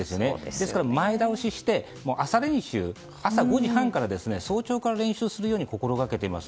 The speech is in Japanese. ですから前倒しして朝練習朝５時半から早朝から練習をするように心がけています。